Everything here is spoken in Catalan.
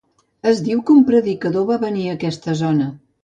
Es diu que un predicador va venir a aquesta zona.